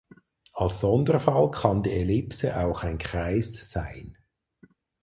Als Sonderfall kann die Ellipse auch ein Kreis sein.